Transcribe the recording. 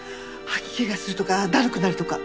吐き気がするとかだるくなるとか。